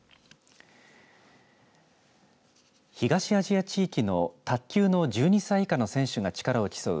東アジア地域の卓球の１２歳以下の選手が力を競う